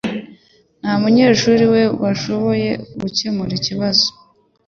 Nta munyeshuri we washoboye gukemura ikibazo.